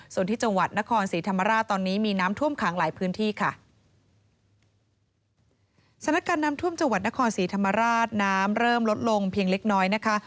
ส่วนที่จังหวัดนครศรีธรรมราชตอนนี้มีน้ำท่วมขังหลายพื้นที่ค่ะสถานการณ์น้ำท่วมจังหวัดนครศรีธรรมราชน้ำเริ่มลดลงเพียงเล็กน้อยนะคะ